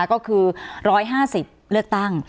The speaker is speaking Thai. ก็คือ๑๕๐เลือกตั้ง